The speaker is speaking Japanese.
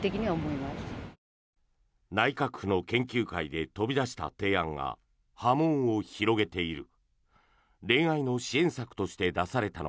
内閣府の研究会で飛び出した提案が波紋を広げている。